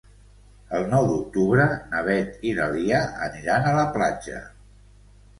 El nou d'octubre na Beth i na Lia aniran a la platja.